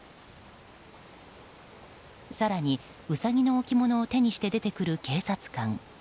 更に、ウサギの置物を手にして出てくる警察官。